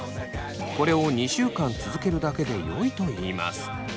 これを２週間続けるだけでよいといいます。